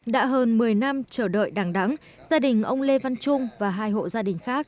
đã hơn một mươi năm chờ đợi đáng đắng gia đình ông lê văn trung và hai hộ gia đình khác